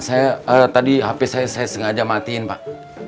saya tadi hp saya sengaja matiin pak